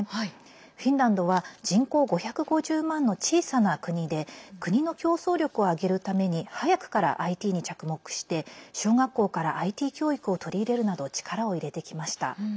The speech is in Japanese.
フィンランドは人口５５０万の小さな国で国の競争力を上げるために早くからＩＴに着目して小学校からＩＴ教育を取り入れるなど力を入れてきました。